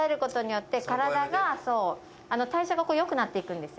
代謝がよくなっていくんですよ。